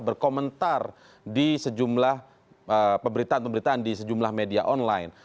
berkomentar di sejumlah pemberitaan pemberitaan di sejumlah media online